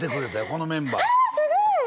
このメンバーああっすごい！